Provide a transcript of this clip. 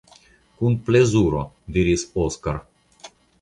Kun plezuro, diris Oskar.